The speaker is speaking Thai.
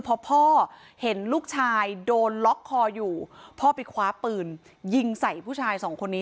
พอพ่อเห็นลูกชายโดนล็อกคออยู่พ่อไปคว้าปืนยิงใส่ผู้ชายสองคนนี้